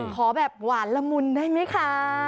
ขอแบบหวานละมุนได้ไหมคะ